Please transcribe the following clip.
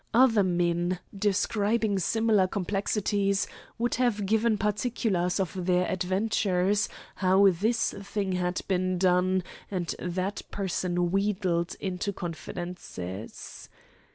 Other men, describing similar complexities, would have given particulars of their adventures, how this thing had been done, and that person wheedled into confidences.